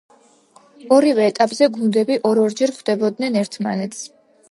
ორივე ეტაპზე გუნდები ორ-ორჯერ ხვდებოდნენ ერთმანეთს.